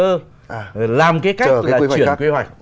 rồi làm cái chuyển quy hoạch